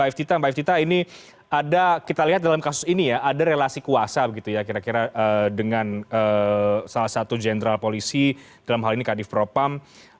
pak iftita mbak iftita ini ada kita lihat dalam kasus ini ya ada relasi kuasa begitu ya kira kira dengan salah satu jenderal polisi dalam hal ini kadif propam